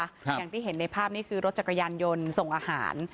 อย่างที่เห็นในภาพนี้คือรถจักรยานยนต์ส่งอาหาร